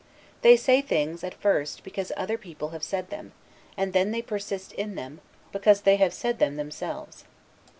They say things, at first, because other people have said them, and then they persist in them, because they have said them themselves.